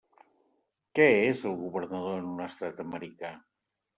Què és el governador en un estat americà.